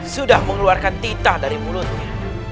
sudah mengeluarkan titah dari mulutnya